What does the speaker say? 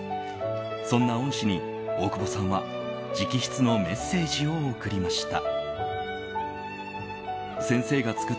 そんな恩師に、大久保さんは直筆のメッセージを送りました。